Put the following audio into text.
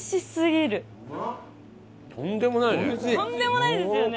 とんでもないですよね！